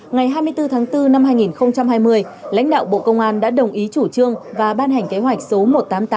ngày hai mươi bốn tháng bốn năm hai nghìn hai mươi lãnh đạo bộ công an đã đồng ý chủ trương và ban hành kế hoạch số một trăm tám mươi tám